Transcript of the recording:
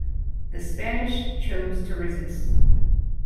The Spanish chose to resist.